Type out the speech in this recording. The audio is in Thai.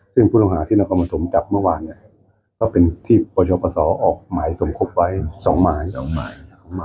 ซึ่งผู้ต้องหาที่เรามาถมจับเมื่อวานก็เป็นที่ประชาประสอบออกหมายสมควรไว้๒หมาย